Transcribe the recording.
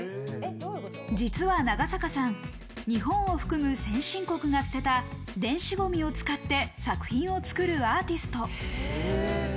実は長坂さん、日本を含む先進国が捨てた電子ゴミを使って作品を作るアーティスト。